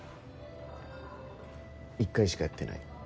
１回しかやってない。